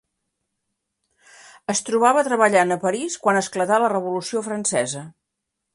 Es trobava treballant a París quan esclatà la Revolució Francesa.